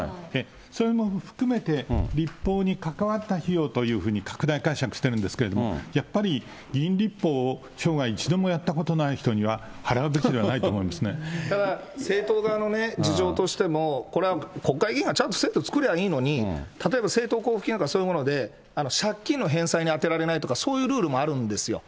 それも含めて、立法に関わった費用というふうに拡大解釈しているんですけれども、やっぱり議員立法を生涯一度もやったことのない人には、払うべきただ、政党側の事情としても、これは国会議員がちゃんと制度作りゃいいのに、例えば政党交付金なんか、そういうもので、借金の返済に充てられないとか、そういうルールもあるんですよ。